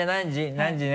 「何時ね」